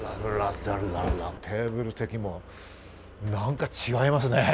テーブル席も何か違いますね。